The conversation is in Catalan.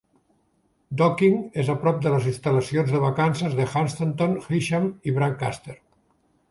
Docking és a prop de les instal·lacions de vacances de Hunstanton, Heacham i Brancaster.